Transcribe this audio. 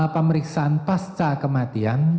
pemeriksaan pasca kematian